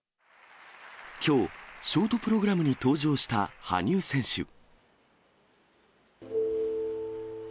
きょう、ショートプログラムに登場した羽生選手。